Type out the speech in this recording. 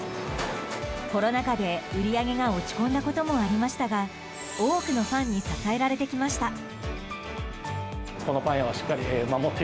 コロナ禍で売り上げが落ち込んだこともありましたが多くのファンに支えられてきました。